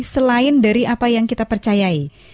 selain dari apa yang kita percayai